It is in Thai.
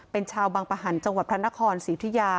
เป็นชาวบางประหันฯจังหวัดพระนครสิทธิยา